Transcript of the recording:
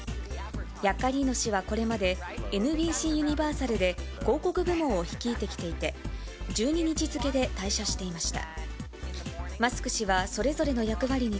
ヤッカリーノ氏はこれまで、ＮＢＣユニバーサルで広告部門を率いてきていて、１２日付けで退社していました。